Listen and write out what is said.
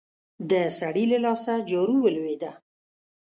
د سړي له لاسه جارو ولوېده.